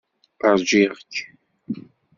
Ṛjiɣ-k.